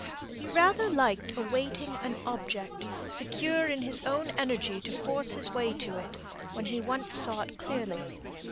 He rather liked awaiting an object, secure in his own energy to force his way to it, when once he saw it clearly.